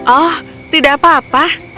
oh tidak apa apa